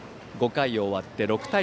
５回が終わって６対３。